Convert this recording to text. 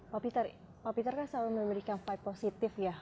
pak peter pak peter kan selalu memberikan fight positif ya